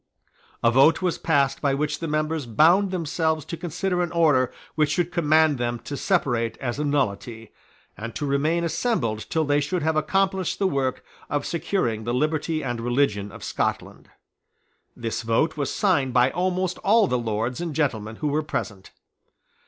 A vote was passed by which the members bound themselves to consider any order which should command them to separate as a nullity, and to remain assembled till they should have accomplished the work of securing the liberty and religion of Scotland. This vote was signed by almost all the lords and gentlemen who were present.